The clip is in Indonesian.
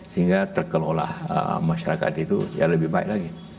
sehingga terkelola masyarakat itu ya lebih baik lagi